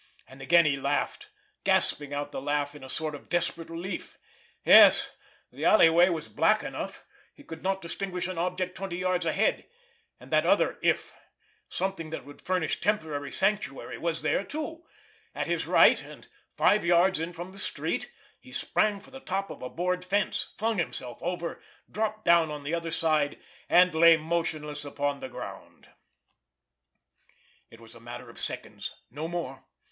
And again he laughed, gasping out the laugh in a sort of desperate relief. Yes, the alleyway was black enough, he could not distinguish an object twenty yards ahead; and that other "if," something that would furnish temporary sanctuary, was here, too, at his right—and five yards in from the street, he sprang for the top of a board fence, flung himself over, dropped down on the other side, and lay motionless upon the ground. It was a matter of seconds—no more.